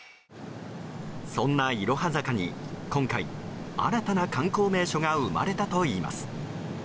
そんな、いろは坂に今回新たな観光名所が生まれたといいます。